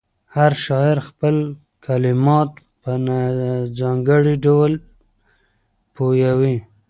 هر شاعر خپل کلمات په ځانګړي ډول پیوياي.